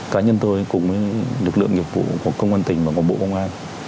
cá nhân tôi cùng với lực lượng nghiệp vụ của công an tỉnh và của bộ công an